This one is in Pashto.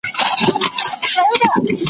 تر څو حکمونه له حُجرې وي ,